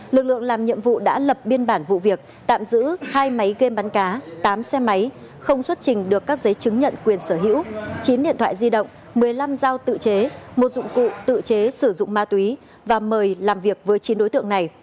lực lượng làm nhiệm vụ đã lập biên bản vụ việc tạm giữ hai máy game bắn cá tám xe máy không xuất trình được các giấy chứng nhận quyền sở hữu chín điện thoại di động một mươi năm dao tự chế một dụng cụ tự chế sử dụng ma túy và mời làm việc với chín đối tượng này